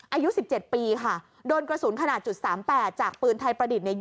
อายุ๑๗ปีค่ะโดนกระสุนขนาด๓๘จากปืนไทยประดิษฐ์เนี่ย